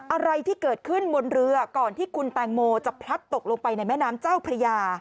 อะไรที่เกิดขึ้นบนเรือก่อนที่คุณแตงโมจะพลัดตกลงไปในแม่น้ำเจ้าพระยา